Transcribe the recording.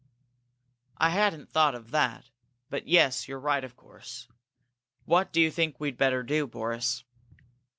"I hadn't thought of that. But yes, you're right, of course. What do you think we'd better do, Boris?"